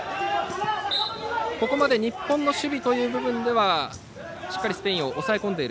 ここまで日本の守備という部分ではしっかりスペインを抑え込んでいる。